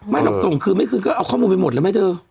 เม้นอย่างส่งขึ้นไม่คืนก็เอาข้อมูลไปหมดแล้วไหมเถอะ